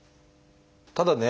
ただね